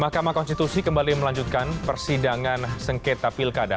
mahkamah konstitusi kembali melanjutkan persidangan sengketa pilkada